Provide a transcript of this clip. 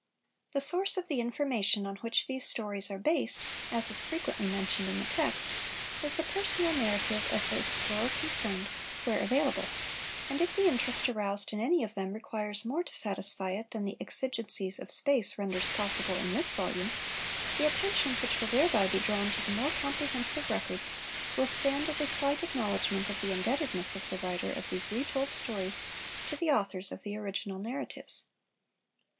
The source of the information on which these stories are based (as is frequently mentioned in the text) is the personal narrative of the explorer concerned, where available; and if the interest aroused in any of them requires more to satisfy it than the exigencies of space renders possible in this volume, the attention which will thereby be drawn to the more comprehensive records will stand as a slight acknowledgment of the indebtedness of the writer of these re told stories to the authors of the original narratives.